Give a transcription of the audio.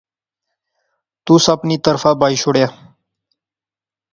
تُس اپنی طرفاں بائی شوڑیا